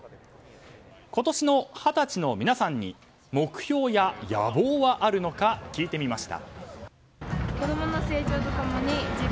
今年の二十歳の皆さんに目標や野望はあるのか聞いてみました。